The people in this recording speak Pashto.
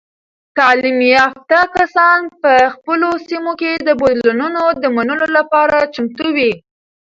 تعلیم یافته کسان په خپلو سیمو کې د بدلونونو د منلو لپاره چمتو وي.